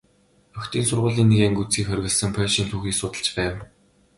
Охидын сургуулийн нэг анги үзэхийг хориглосон польшийн түүхийг судалж байв.